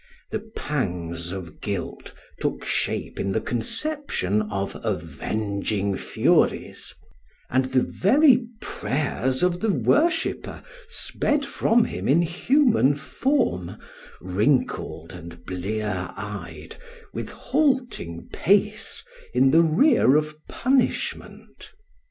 The pangs of guilt took shape in the conception of avenging Furies; and the very prayers of the worshipper sped from him in human form, wrinkled and blear eyed, with halting pace, in the rear of punishment.